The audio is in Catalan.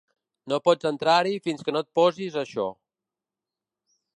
No pots entrar-hi fins que no et posis això.